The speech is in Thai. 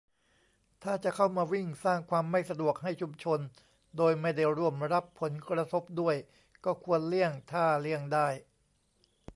ถ้าจะเข้ามาวิ่ง สร้างความไม่สะดวกให้ชุมชน โดยไม่ได้ร่วมรับผลกระทบด้วย ก็ควรเลี่ยงถ้าเลี่ยงได้